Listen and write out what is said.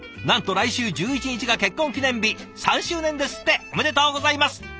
なんと来週１１日が結婚記念日３周年ですって。おめでとうございます。